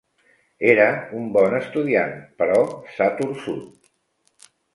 Era un bon estudiant, però s'ha torçut.